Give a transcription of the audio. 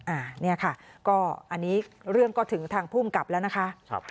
อันนี้เรื่องก็ถึงทางภูมิกับแล้วนะคะ